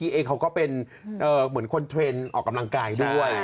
แล้วคุณมิกิเองเขาก็เป็นเหมือนคนเทรนด์ออกกำลังกายด้วย